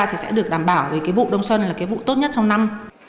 thì sẽ được đảm bảo về cái vụ đông xuân là cái vụ tốt nhất trong năm